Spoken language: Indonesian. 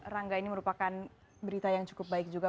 rangga ini merupakan berita yang cukup baik juga